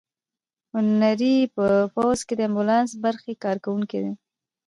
هنري په پوځ کې د امبولانس برخې کارکوونکی دی.